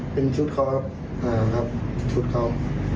เป็นชุดเขาครับชุดเขา